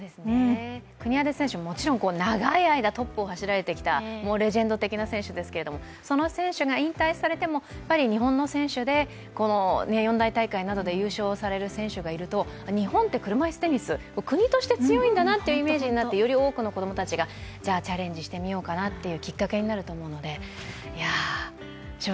国枝選手、もちろん長い間トップを走られてきたもうレジェンド的な選手ですけどもその選手が引退されても日本の選手で四大大会などで優勝される選手がいると日本って車いすテニス、国として強いんだなというイメージになってより多くの子供たちがじゃあ部屋干しクサくなりそう。